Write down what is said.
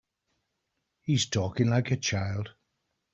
He's talking like a child.